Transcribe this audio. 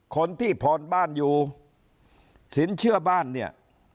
คนที่ผ่อนบ้านอยู่สินเชื่อบ้านเนี่ย